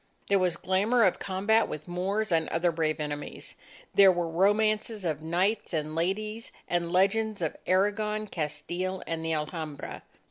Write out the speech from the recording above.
There was glamour of combat with Moors and other brave enemies. There were romances of knights and ladies, and legends of Aragon, Castile, and the Alhambra.